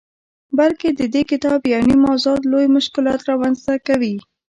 بلکه ددې کتاب یونیم موضوعات لوی مشکلات رامنځته کوي.